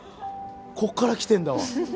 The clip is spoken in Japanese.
ここからきてるんだわ。